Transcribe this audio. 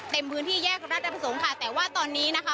เต็มพื้นที่แยกราชประสงค์ค่ะแต่ว่าตอนนี้นะคะ